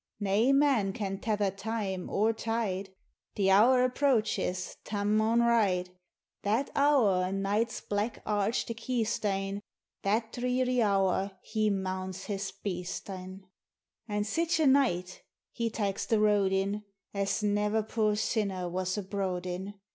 Nae man can tether time or tide ; The hour approaches Tarn maun ride ; That hour o' night's black arch the keystane, That dreary hour he mounts his beast in ; And sic a night he takes the road in As ne'er poor sinner was abroad in.